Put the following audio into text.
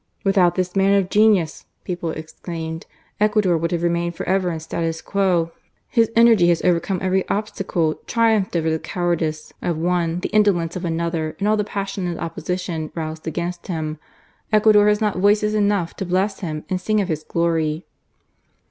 "Without this man of genius," people exclaimed, " Ecuador would have remained for ever in statu quo. His energy has overcome every obstacle, triumphed over the cowardice of one, the indolence of another, and all the passionate opposition roused against him. Ecuador has not voices enough to bless him and sing of his glory."